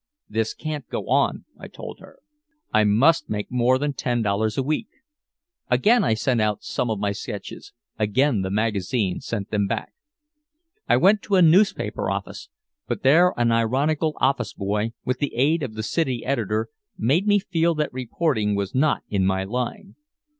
"This can't go on," I told her. I must make more than ten dollars a week. Again I sent out some of my sketches, again the magazines sent them back. I went to a newspaper office, but there an ironical office boy, with the aid of the city editor, made me feel that reporting was not in my line.